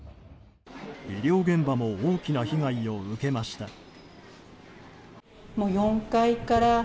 医療現場も大きな被害を受けました。